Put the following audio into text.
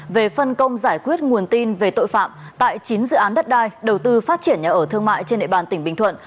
về phân công giải quyết nguồn tin về tội phạm tại chín dự án đất đai đầu tư phát triển nhà ở thương mại trên địa bàn tỉnh bình thuận